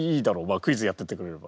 クイズやっててくれれば。